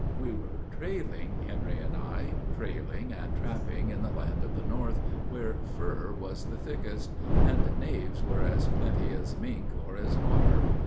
We were trailing, Henry and I, trailing and trapping In the land to the north, where fur was the thickest, And knaves were as plenty as mink or as otter.